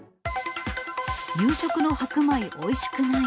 夕食の白米おいしくない。